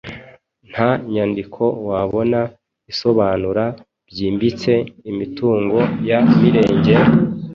Nta nyandiko wabona isobanura byimbitse imitungo ya Mirenge,